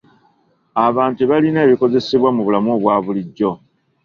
Abantu tebalina ebikozesebwa mu bulamu obwa bulijjo.